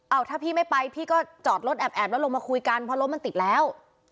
เอาถ้าพี่ไม่ไปพี่ก็จอดรถแอบแล้วลงมาคุยกันเพราะรถมันติดแล้ว